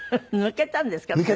抜けたんですか？